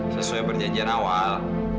sesuai dengan perjanjian awal